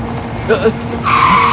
apa yang terjadi